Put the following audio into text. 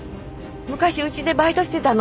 昔うちでバイトしてたの。